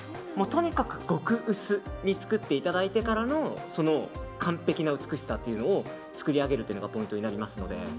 とにかく極薄に作っていただいてからのその完璧な美しさというのを作り上げるというのがポイントになりますので。